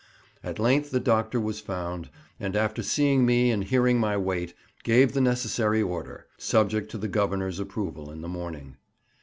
At length the doctor was found, and after seeing me and hearing my weight, gave the necessary order, subject to the Governor's approval in the morning.